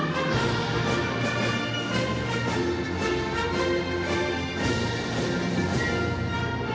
perhanul masih di indonesia pu estosis in indonesia